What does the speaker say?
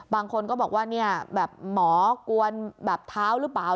บางคนก็บอกว่าหมอกวนแบบเท้าหรือเปล่า